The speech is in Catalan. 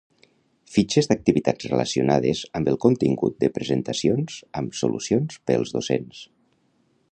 Fitxes d'activitats relacionades amb el contingut de presentacions amb solucions pels docents